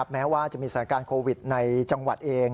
แม้ว่าจะมีสถานการณ์โควิดในจังหวัดเอง